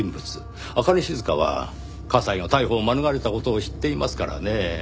朱音静は加西が逮捕を免れた事を知っていますからねぇ。